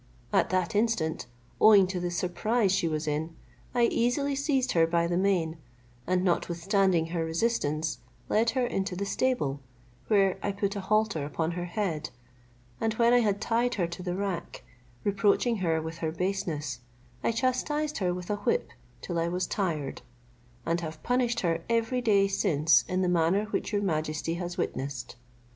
At that instant, owing to the surprise she was in, I easily seized her by the mane, and notwithstanding her resistance, led her into the stable, where I put a halter upon her head, and when I had tied her to the rack, reproaching her with her baseness, I chastised her with a whip till I was tired, and have punished her every day since in the manner which your majesty has witnessed.